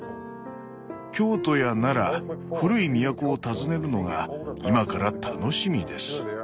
京都や奈良古い都を訪ねるのが今から楽しみです」。